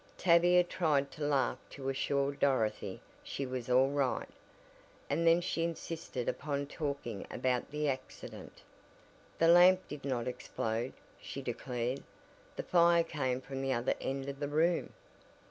Tavia tried to laugh to assure Dorothy she was all right, and then she insisted upon talking about the accident. "The lamp did not explode," she declared. "The fire came from the other end of the room."